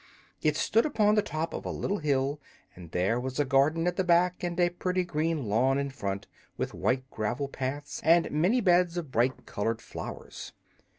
It stood upon the top of a little hill, and there was a garden at the back and a pretty green lawn in front, with white gravel paths and many beds of bright colored flowers.